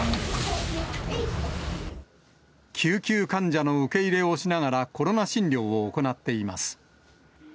救急患者の受け入れをしながら、コロナ診療を行っています。